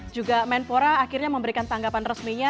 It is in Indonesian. juga menpora akhirnya memberikan tanggapan resminya